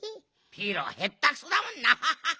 ピロへったくそだもんなハハハ。